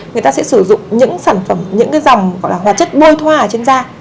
người ta sẽ sử dụng những sản phẩm những cái dòng gọi là hóa chất bôi thoa ở trên da